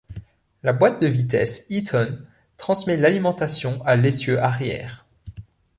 La boîte de vitesses Eaton transmet l'alimentation à l'essieu arrière.